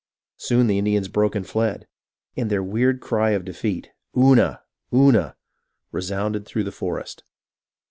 Soon the Indians broke and fled, and their weird cry of defeat, " Oonah ! Oonah !" resounded through the forest.